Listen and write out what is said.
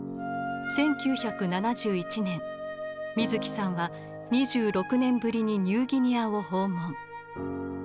１９７１年水木さんは２６年ぶりにニューギニアを訪問。